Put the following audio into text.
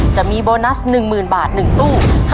จะมีโบนัส๑๐๐๐บาท๑ตู้